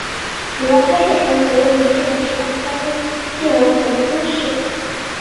主要拍摄场景位于日本神奈川县横滨市。